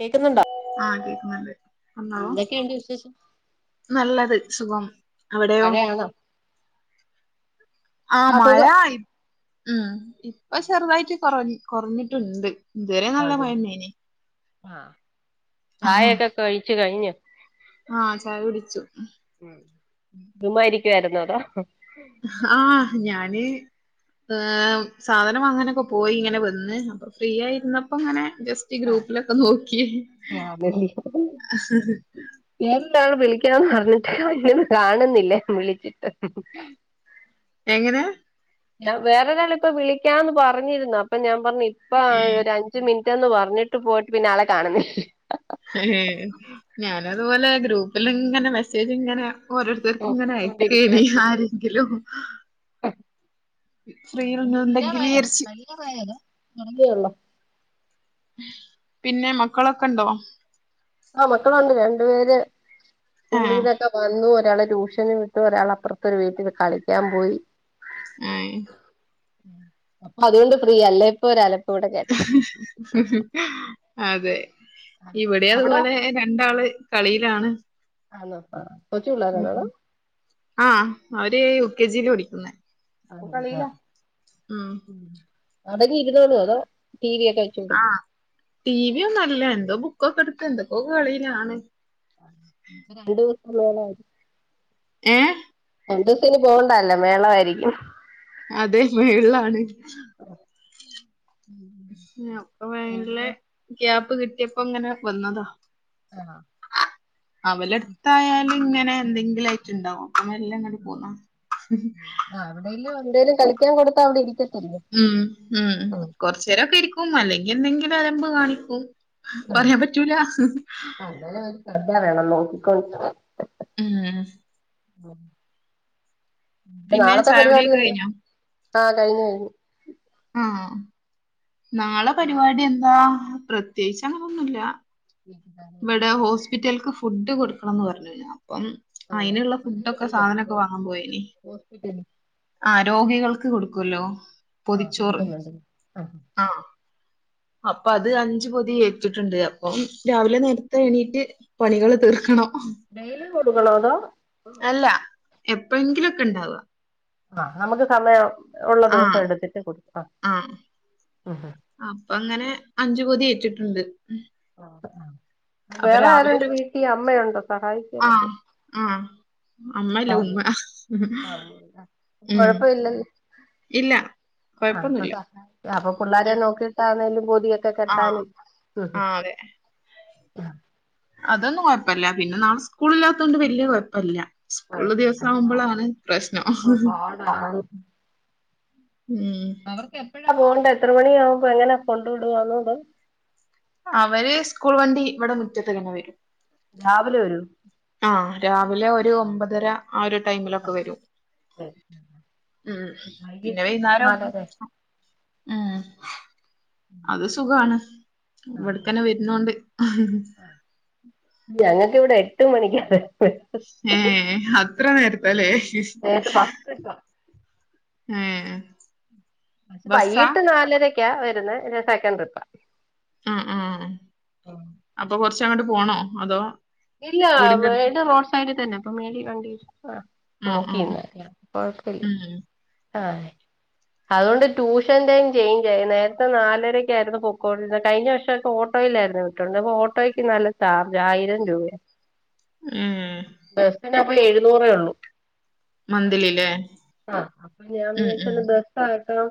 കേക്കുന്നുണ്ടോ ആഹ് കേക്കുന്നുണ്ട് [unintelligible] എന്തൊക്കെയുണ്ട് വിശേഷം നല്ലത് സുഖം അവിടെയോ മഴയാണോ ആഹ് ആ സുഖം മഴായി ഉം ഇപ്പൊ ചെറുതായിട്ട് കൊറ കുറഞ്ഞിട്ടുണ്ട് ഇതുവരെ നല്ല മഴന്നേന് ആഹ് ചായൊക്കെ കഴിച്ചു കഴിഞ്ഞു ആഹ് ചായ കുടിച്ചു [unintelligible] ആഹ് ഞാന് ഉം സാധനം വാങ്ങനൊക്കെ പോയി ഇങ്ങനെ വന്ന് അപ്പൊ ഫ്രീ ആയിരുന്നപ്പ ഇങ്ങനെ ജസ്റ്റ് ഗ്രൂപ്പിലൊക്കെ നോക്കിയെ എന്താണ് വിളിക്കാൻ പറഞ്ഞിട്ട് വല്ലതും കാണുന്നില്ലേ വിളിച്ചിട്ട് എങ്ങനെ ഞാൻ വേറൊരാളിപ്പൊ വിളിക്കാന്ന് പറഞ്ഞിരുന്നു അപ്പൊ ഞാൻ പറഞ്ഞു ഇപ്പൊ ഏഹ് ഒരഞ്ച് അഞ്ച്മിനിറ്റ് ഒന്ന് പറഞ്ഞിട്ട് പോയിട്ട് പിന്നെ ആളെ കാണുന്നില്ലല്ലൊ ഏ ഞാന അതുപോലെ ഗ്രൂപ്പില ഇങ്ങനെ മെസ്സേജ് ഇങ്ങനെ ഓരോരുത്തർക്ക് ഇങ്ങനെ അയക്കേല് നോക്കിക്കൊണ്ടിരിക്കുവായിരുന്നു ആരെങ്കിലും [unintelligible] ഫ്രീയിൽ കഴിയാറായോ നിണ്ടെങ്കിൽരിച്ച [unintelligible] പിന്നെ മക്കളൊക്കെ ഉണ്ടോ ആഹ് മക്കളുണ്ട് രണ്ടു പേര് ആഹ് സ്കൂളിന്നൊക്കെ വന്നു ഒരാള ട്യൂഷന് വി ഒരാൾ അപ്പുറത്തരു വീട്ടില് കളിക്കാൻ പോയി ആഹ് അപ്പൊ അതുകൊണ്ട് ഫ്രീ അല്ല ഇപ്പൊ ഒരലക്ക് അതെ ഇവിടെ അവിടോ അതുപോലെ രണ്ടാള് കളിയിലാണ് ആണോ ആഹ് ഉം ആഹ് അവര് യു കെ ജിൽ പഠിക്കുന്നേ ഇപ്പൊ കളില ഉം അടങ്ങി ഇരുന്നോളോ അതോ ടി വി ഒക്കെ വെച്ച് കൊടുക്കും ആഹ് ടി വി ഒന്നും ഇല്ല എന്തോ ബുക്കൊക്കെ എടുത്ത് എന്തൊക്കോക്കെ കളിയിലാണ് [inaudible] ഏഹ് രണ്ടിസിനി പോവണ്ടല്ലെ മേളായിരിക്കും. അതെ [unintelligible] ള്ളാണ് [inaudible] അപ്പൊ മെല്ലെ പിന്നെ ഗ്യാപ്പ് കിട്ട്യപ്പോ ങ്ങനെ വന്നതാ. ആഹാ അവലെട്ത്തായാല് ഇങ്ങനെ എന്തെങ്കിലുംയിറ്റ് ണ്ടാവു. അങ്ങെ എല്ലാ ങ്ങട് പോന്നോ ആഹ് അവടെല് എന്തേലും കളിക്കാ കൊടുത്താ അവിടെ ഇരിക്കത്തില്ലേ ഉം ഉം കൊറച്ചെരൊക്കെ ഇരിക്കും അല്ലെങ്കി എന്തെങ്കിലും അലമ്പ് കാണിക്കും. പറയാ പറ്റൂല ങ്ങനെരു ശ്രദ്ധ വേണം നോക്കിക്കോണ്ടു ഉം പിന്നെ നാളത്തെ പരിപാടി ചായകുടിയൊക്കെ എന്തോ കഴിഞ്ഞോ ആഹ് കഴിഞ്ഞ് കയിഞ്ഞ്. ആഹ് നാളെ പരിപാടി എന്താ പ്രത്യേച്ച്ന്നുല്ല. കഴിഞ്ഞു ഇവടെ ഹോസ്പിറ്റൽക് ഫുഡ് കൊടുക്കണംന്ന് പറഞ്ഞിര്ന്നു അപ്പം ആന്നോ ഐന്ള്ള ഫുഡ്ക്കെ സാധനക്കെ വാങ്ങാ പോയിനി ഹോസ്പിറ്റല് ആഹ് രോഗികൾക്ക് കൊടുക്കുല്ലോ ആ പൊതിച്ചോറ് കൊടുക്കുന്നുണ്ട് ആ ആഹ് അപ്പൊ അത് അഞ്ച് പൊതി ഏറ്റിട്ട്ണ്ട് അപ്പൊ രാവിലെ നേരത്തെ എണീറ്റ് പണികള് തീർക്കണം ഡെയ്ലി കൊടുക്കണോ അതോ അല്ല എപ്പെഴെങ്കിലൊക്കെണ്ടാവാ ആഹ് നമ്ക്ക് സമയം ഒള്ള ദെവസം ആഹ് എട്ത്തിട്ട് കൊട് ആഹ് ഉം ഉം അപ്പങ്ങനെ അഞ്ച് പൊതി ഏറ്റിട്ട്ണ്ട് ആഹ് ആഹ് വേറെ രാവിലെ ആരുണ്ട് ഒരു വീട്ടി അമ്മയൊണ്ടോ സഹായി ആഹ് ആഹ് അമ്മല്ല ഉമ്മ കൊഴപ്പമില്ലല്ലോ ആ ആ. ഉം കുഴപ്പമില്ലല്ലോ. ഇല്ല ആ, അപ്പൊ കൊഴപ്പൊന്നുല്ല സഹായിക്കാം അപ്പൊ പുള്ളാരെ ഉം നോക്കിട്ടാണേലും പൊതിയൊക്കെ കെട്ടാന് ആഹ് ഉം ആഹ് അതെ ഉം ആഹ് അതൊന്നും കൊഴപ്പല്ല പിന്നെ നാളെ സ്കൂള്ല്ലാത്തോണ്ട് വെല്ല്യ കൊഴപ്പല്ല സ്കൂള്ളെ കുഴപ്പമില്ല. ആ, ദിവസാവുമ്പളാണ് പ്രശ്നം ഇപ്പൊ പാടാണ് ഉം അവർക്ക് എപ്പെഴാ പോണ്ടേ എത്ര മണിയാവുമ്പോ എങ്ങനാ കൊണ്ട് വിടുവാന്നോ അതോ അവര് സ്കൂൾ വണ്ടി ഇവടെ മുറ്റത്ത് തന്നെ വെരും രാവിലെ വെരൊ ആഹ് രാവിലെ ഒരു ഒമ്പതര ആ ഒരു ആ ടൈമിലൊക്ക വെരും ശരി. ഉം പിന്നെ വൈകിട്ട് വെയ്ന്നാരം നാലര ആഹ് ഉം അത് സുഖാണ് ആ ആ ഇവട്ക്കെന്നെ വെര്നോണ്ട് ആ ഞങ്ങക്ക് ഇവടെ എട്ട് മണിക്ക്യാ ഏഹ് അത്ര നേരത്തലെ നേര്ത്തെ ബസ്സ്ട്ടൊ ഏഹ് പക്ഷേ ബസ്സാ? വൈകീട്ട് നാലരക്ക്യാ വര്ന്നെ പിന്നെ സെക്കൻഡ് ട്രിപ്പാ ആഹ് ആഹ്. ആഹ് അപ്പൊ കൊർച്ചങ്ങട്ട് പോണോ അതോ ഇല്ല വീടിന്റെ അടുത്ത് വീട് റോഡ് സൈഡി തന്നെ അപ്പ മേളി വണ്ടി ആഹ് ആഹ് ആഹ് ആഹ്. നോക്കിന്നറിയാ കൊഴപ്പല്ലെ ഉം. [unintelligible] അത്കൊണ്ട് ട്യൂഷൻ ടൈം ചെയിഞ്ചായി നേരത്തെ നാലരക്ക്യായിരുന്നു പൊക്കോര്ന്നെ കഴിഞ്ഞ വർഷൊക്ക് ഓട്ടോയിലാരുന്നു [unintelligible] ഓട്ടോയ്ക്ക് നല്ല ചാർജാ ആയിരം രൂപെ ഉം ബസ്സിനപ്പോ എഴുന്നൂറേള്ളു മന്ത്ലില്ലേ? ആഹ് അപ്പം ഞാൻ ഉം ഉം. വിചാരിച്ചത് ബ സ്സാട്ടോ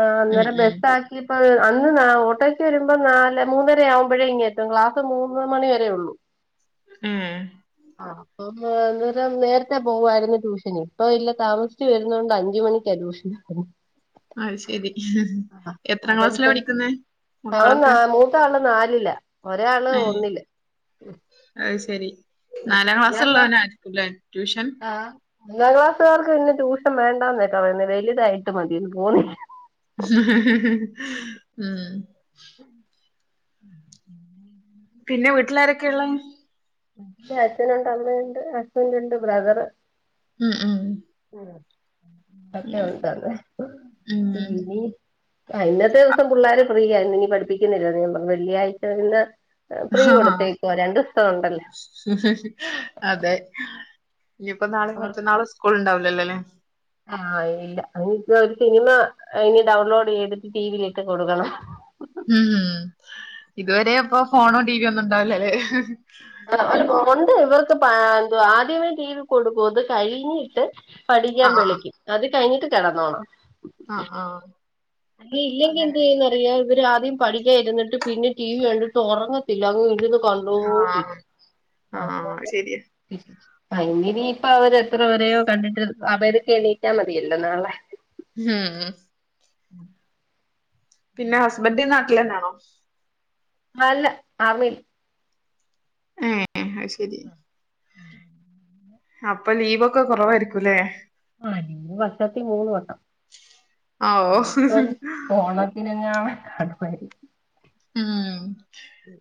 ആഹ് ഉം അന്നേരം ഉം. ബസ്സ് ആ ലിപ്പ അഹ് അന്ന് ന്നാ ഓട്ടോയ്ക്ക് വെര്മ്പം നാല് മൂന്നരയാവുമ്പഴേ ഇങ്ങെത്തും ക്ലാസ് മൂന്ന് മണിവരേ ഉള്ളൂ ഉം ആഹ് ഇപ്പം ആഹ് അന്നേരം നേരത്തെ പോവായിരുന്നു ട്യൂഷന് ഇപ്പ ഇല്ല താമസിച്ച് വര്ന്നോണ്ട് അഞ്ച മണിക്കാ ട്യൂ [unintelligible] അഹ് ശെരി എത്ര ക്ലാസ്സിലാ പഠിക്ക്ന്നെ മക്കളൊക്കെ ത്താള് നാലിലാ ഒരാള് ഒന്നില് അഹ് ശരി നാലാം ഒന്നാം ക്ലാസ്ള്ളോനായിരിക്കുല്ലേ ട്യൂഷൻ ഒന്നാ ക്ലാസ്സ്കാർക്ക് പിന്നെ ട്യൂഷൻ വേണ്ടാന്ന് വെക്കാ [unintelligible] വെല്തായിട്ട് മതീന്ന് [unintelligible] ഉം [inaudible] പിന്നെ വീട്ടിലാരെക്കെ ഇള്ളെ? ഇന്റെ അച്ഛനുണ്ട് അമ്മയുണ്ട്. ഹസ്ബൻറ് ഉണ്ട് ബ്രദറ് ഉം ഉം അങ്ങനെ. ഉം. [inaudible] ആ ഇന്നത്തെ ദിവസം പിള്ളാര് ഫ്രീയ. ഇന്ന് ഇനി പഠിപ്പിക്ക്ന്നില്ല അധികം വെള്ളിയാഴ്ചകളില് ഫ്രീ കൊടുത്തേക്കുവ രണ്ടൂസം ഉണ്ടല്ലോ ഇഹ് ഇഹ് അതെ, ഇനിയിപ്പ നാളെയും മറ്റന്നാളും സ്കൂൾ ഇണ്ടാവ് ലല്ലെലെ ആഹ് ഇല്ല ഇനി ഇപ്പ ഒര് സിനിമ ഇനി ഡൗൺലോഡ് ചെയ്തിട്ട് ടി വി യിലിട്ട് കൊടുക്കണം. ഉം ഇതുവരെ അപ്പൊ ഫോണോ ടീവിയൊ ഒന്നും ഇണ്ടാവുലല്ലേ [inaudible] ഉണ്ട് ഇവർക്ക് പ ഏഹ് ആദ്യമേ ടി വി കൊടുക്കു അത് കഴിഞ്ഞിട്ട് പഠിക്കാൻ ആഹ് വിളിക്കും അത് കഴിഞ്ഞിട്ട് കെടന്നോണം. ആഹ് ആഹ് ഇനി ഇല്ലെങ്കിൽ അങ്ങനെ എന്ത്യ്യന്നറിയോ? ഇവര് ആദ്യം പഠിക്കാ ഇര്ന്നിട്ട് പിന്നെ ടി വി കണ്ടിട്ട് ഒറങ്ങത്തില്ല. അങ്ങ് ഇരിന്ന് കണ്ടോണ്ടിരി ആഹ് ആഹ് അതോണ്ട് ആ ഇന്നിനി ഇപ്പ അവര് എത്ര വരെയോ കണ്ടിട്ട് അവര്ക്ക് എണീറ്റ മതിയല്ലോ നാളെ. ഇഹ് മ് ഉം പിന്നെ ഹസ്ബന്റ് നാട്ടിലെന്നാണോ? അല്ല ആർമിയില്. ഏഹ് അത് ശരി ആ അപ്പ ലീവൊക്കെ കുറവായിരിക്കുല്ലേ? ആ ലീവ് വർഷത്തി മൂന്ന് വസം ഓഹ് അപ്പം പോണം [unintelligible] വരും. മ് ഉം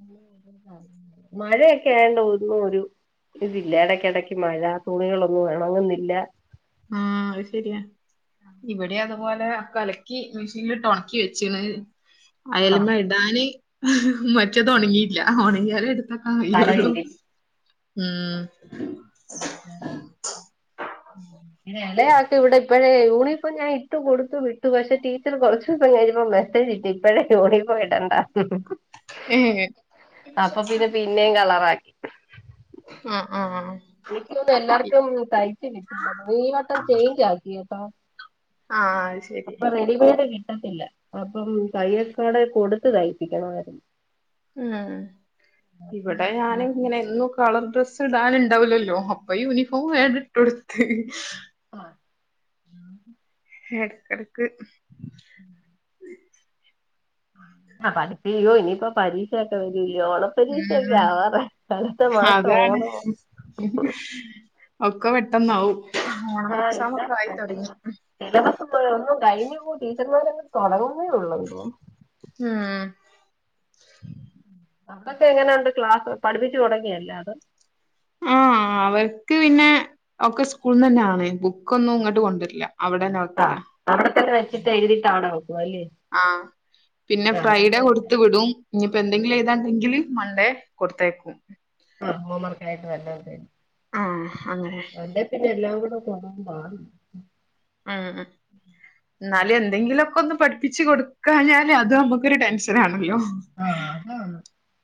[inaudible] മഴയൊക്കെ ആയോണ്ട് വീട്ടില് ഒരു ഇതില്ല. എടയ്ക്കെടയ്ക്ക് മഴ തുണികളൊന്നും എണങ്ങുന്നില്ല. ആഹ് അഹ് ശെരിയാ. ഇവിടെ അതുപോലെ ഒക്ക അലക്കി മെഷീൻല് ഇട്ട് ഒണക്കി വെച്ചിണ്. ആ അയല്മെ ഇടാന് ഇഹ് മറ്റത് ഒണങ്ങീല്ല. ഓണങ്ങിയാലെ ഇട് ത്തെക്കാൻ കഴിയൊള്ളു. സ്ഥലമില്ല മ് [inaudible] ഇങ്ങനെ എളയാക്ക് ഇവിടെ ഇപ്പഴേ യൂണിഫോം ഞാൻ ഇട്ടു കൊടുത്തു വിട്ടു. പക്ഷെ, ടീച്ചറ് കൊറച്ചൂസം കഴിഞ്ഞപ്പോ മെസ്സേജ് ഇട്ടേ ഇപ്പയെ യൂണിഫോം ഇടണ്ടാന്ന്. ഏഹ് അപ്പൊ പിന്നെ പിന്നേം കളറാക്കി. ആഹ് ആഹ് ഇനിക്ക് തോന്ന്ണെ എല്ലാർക്കും തയ്ച്ച് കിട്ടില്ല തോന്നു ഇനി യൊട്ടം ചെയ്ഞ്ച് ആക്കിട്ടോ. അത് ശരി അപ്പ റെഡിമെയ്ഡ് കിട്ടത്തില്ല. അപ്പം തയ്യൽക്കടെ കൊട്ത്ത് തയ്പ്പിക്കണമായിര്ന്നു. ആഹ് ഇവിടെ ഞാന് ഇങ്ങനെന്നും കളർ ഡ്രസ്സ് ഇടാന് ഇണ്ടാവ് ലല്ലോ അപ്പ യൂണിഫോം വേം ആണ്ട് ഇട്ടൊട്ത്. ആഹ് എടക്കെടക്ക്. ആ പഠിപ്പ് യ്യോ ഇനിയിപ്പോ പരീക്ഷയൊക്കെ വെര്ല്ലേ ഓണം. [unintelligible] ഉം ആവാതെ അട്ത്ത മാസം ഓണോ? ഇഹ് ഒക്ക പെട്ടന്നാവും. ഓണം എക്സാമൊക്കെ ആയി തൊടങ്ങി. സിലബസ്സ് ഇപ്പ ഒന്നും കഴിഞ്ഞുവോ ടീച്ചർമാരങ്ങ് തൊടങ്ങുന്നേ ഒള്ളു തോന്ന്. മ് അവിടൊക്കെ എങ്ങനെണ്ട് ക്ലാസ് പഠിപ്പിച്ച് തൊടങ്ങിയൊ എല്ലാതും. ആഹ് അവർക്ക് പിന്നെ ഒക്കെ സ്കൂളന്ന് തന്നെയാണെ ബുക്കൊന്നും ഇങ്ങോട്ട് കൊണ്ടില്ല അവിടന്ന ആഹ് അവിടെത്തന്നെ വെച്ചിട്ട് എഴുതിയിട്ടാട വെക്കുവല്ലേ ആഹ് പിന്നെ ഫ്രൈഡേ കൊടുത്ത് വിടും ഇനിയിപ്പോ എന്തെങ്കിലും ആ എയിതാനിണ്ടെങ്കിലു മണ്ടേ കൊടുത്തേയ്ക്കും ആഹ് ഹോം വർക്ക് ആയിട്ട് വല്ല ആഹ് അങ്ങനെ പിന്നെ എല്ലാം കൂടെ കൊണ്ടന്ന പാടാ ഉം ഉം എന്നാലും എന്തെങ്കിലുമൊക്കെ ഒന്ന് പഠിപ്പിച്ച് കൊടുക്കാഞ്ഞാല് അത് നമ്മുക്കൊരു ടെൻഷനാണല്ലോ ആഹ്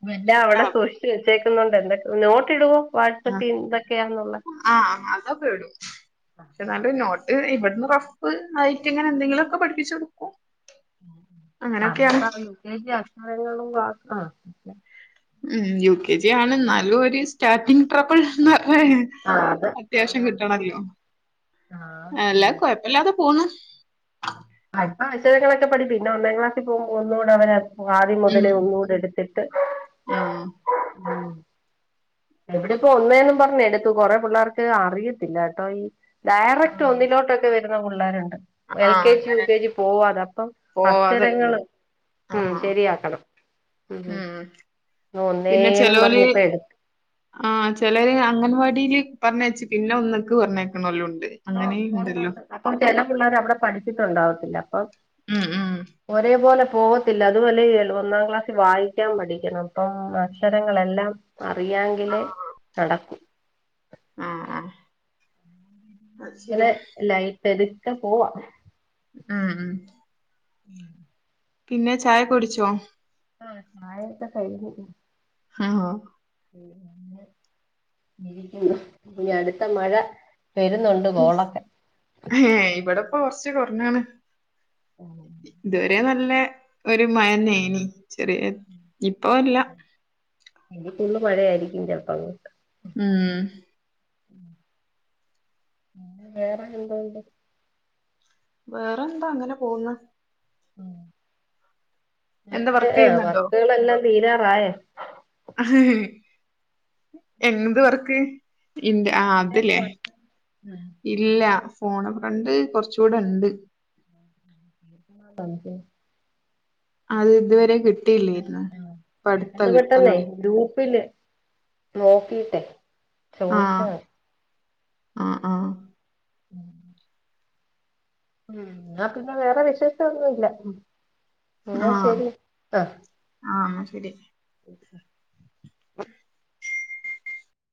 പിന്നെ അവിടെ ആഹ് സൂക്ഷിച്ച വെച്ചേക്കുന്നോണ്ട് എന്തൊക്കെ നോട്ടിടുവോ ആഹ് വാട്സപ്പില് എന്തൊക്കെയാണുള്ള ആഹ് അതൊക്കെയിടും പക്ഷെ എങ്ങാണ്ട് നോട്ട് ഇവിടുന്ന് റഫ് ആയിട്ട് ഇങ്ങനെ എന്തെങ്കിലുമൊക്കെ പഠിപ്പിച്ച് കൊടുക്കും അങ്ങനൊക്കെയാണ് ആഹ് യു കെ ജി അടുത്തതെങ്ങാണ്ടും ക്ലാസ് ആഹ് ഉം യു കെ ജി ആണ് നല്ല ഒരു സ്റ്റാർട്ടിങ് ട്രെബ്ബിൾ എന്ന് പറയാ അത് അത്യാവശ്യം ആഹ് കിട്ടണല്ലോ എല്ലാ ആഹ് കൊയപ്പില്ലാതെ പോണ് അല്പം അക്ഷരങ്ങളൊക്കെ പഠി പിന്നെ ഒന്നാം ക്ലാസ്സിൽ പോകുമ്പോ ഒന്നുകൂടെ അവരത് ആദ്യ ഉം മുതലേ ഒന്നുടെ എടുത്തിട്ട് ആഹ് ഉം ഇവിടെപ്പോ ഒന്നേന്നും പറഞ്ഞ് എടുത്തു കൊറെ പിള്ളേർക്ക് അറിയത്തില്ല കേട്ടോ ഈ ഡയറക്റ്റ് ആഹ് ഒന്നിലോട്ടൊക്കെ വരുന്ന പിള്ളേരുണ്ട് എൽ ആഹ് കെ ജി യു അങ്ങനെ കെ ജി പോവാതെ അപ്പം പോവാതായിരുന്നു അക്ഷരങ്ങള് ഉം ആഹാ ശരിയാക്കണം ഉം പിന്നെ ഒന്നേന്നും ചെലോല് പറഞ്ഞിപോ എടു ആഹ് ചിലര് അംഗൻവാടിൽ പറഞ്ഞച്ചു പിന്നെ ഒന്നക്ക് പറഞ്ഞായിക്കാണോരുംണ്ട് ആഹ് ഒണ്ട് ഒണ്ട് അപ്പൊ ചില പിള്ളേരവിടെ പഠിച്ചിട്ടുണ്ടാവത്തില്ല അപ്പൊ ഉം ഉം ഒരേപോലെ പോകത്തില്ല അതുപോലെ ഒന്നാം ക്ലാസ്സിൽ വായിക്കാൻ പഠിക്കണം അപ്പം അക്ഷരങ്ങളെല്ലാം അറിയാങ്കിലേ നടക്കു ആഹ് ആഹ് അത് അതെ ശരിയാ ലൈറ്റ് എടുക്കെ പോവാ ഉം ഉം ഉം. പിന്നെ ചായ കുടിച്ചോ? ആഹ് ചായക്കൊ കൈഞ്ഞ് ആഹോ. ഇരിക്കുന്നു ഇനി അടുത്ത മഴ. വെരുന്നുണ്ട് കോളൊക്കെ. ഹേ ബവടെപ്പൊ കൊറച്ച് കുറഞ്ഞാണ് ഇതുവരെ നല്ല. ഒരു മയനേനി ചെറിയ ഇപ്പല്ല. ഇനി ഫുള് മഴയായിരിക്കും ചിലപ്പങ്ങോട്ട്. ഉം ഉം വേറെ എന്തോണ്ട്. വേറെന്താ അങ്ങനെ പോകുന്. എന്താ മറ്റേ വർക്ക് ആഹ് ചെയ്യുന്നുണ്ടോ വർക്കുകളെല്ലാം തീരാറായ. എന്ത് വർക്ക്. [unintelligible] ആതില്ലേ ഇല്ല ഫോണഫ്രണ്ട് കുറച്ചുടെണ്ട്. [unintelligible] അത് ഇതുവരെ കിട്ടില്ലേരുന്. പെട്ടെന്ന് പെട്ടെന്നേ ഗ്രൂപ്പില്. നോക്കിട്ടെ ചോയിച്ച. ആഹ് ആഹ് ആഹ് [inaudible] ഉം ന്ന ഓക്കെന്ന പിന്നെ വേറെ വിശേഷൊന്നുല്ല ന്ന ശരി ആഹ്. ആ ശരി. [inaudible] [inaudible]